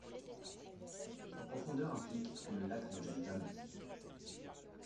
Cette profondeur implique que le lac ne gèle jamais.